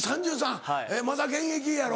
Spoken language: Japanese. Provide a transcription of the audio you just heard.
まだ現役やろ？